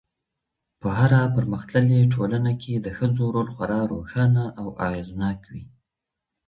په هره پرمختللې ټولنه کي د ښځو رول خورا روښانه او اغېزناک وي